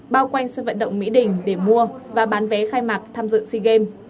bao quanh sân vận động mỹ đình để mua và bán vé khai mạc tham dự sea games